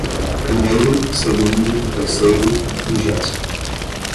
primeiro, segundo, terceiro, vigésimo